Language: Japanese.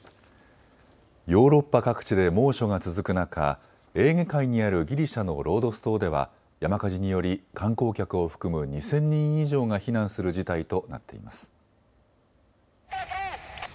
ヨーロッパ各地で猛暑が続く中、エーゲ海にあるギリシャのロードス島では山火事により観光客を含む２０００人以上が避難する事態となっています。